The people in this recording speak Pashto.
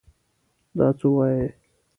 دا څه وايې!